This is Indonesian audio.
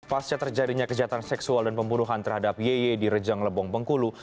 pasca terjadinya kejahatan seksual dan pembunuhan terhadap yeye di rejang lebong bengkulu